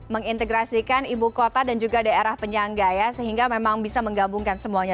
mengintegrasikan ibu kota dan juga daerah penyangga ya sehingga memang bisa menggabungkan semuanya